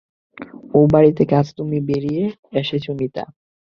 ও বাড়ি থেকে আজ তুমি বেরিয়ে এসেছ মিতা।